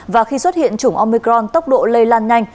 và khi xuất hiện chủng omicron tốc độ lây lan nhanh